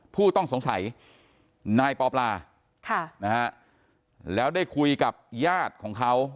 ผู้ต้องสงสัยนายปอปลาแล้วได้คุยกับญาติของเขา